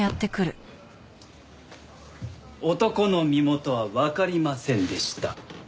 男の身元はわかりませんでした。